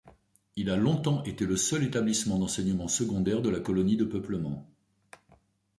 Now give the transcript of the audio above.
Il a longtemps été le seul établissement d'enseignement secondaire de la colonie de peuplement.